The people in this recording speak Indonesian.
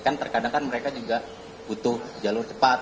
kan terkadang kan mereka juga butuh jalur cepat